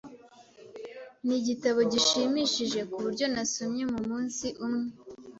Nigitabo gishimishije kuburyo nasomye mumunsi umwe.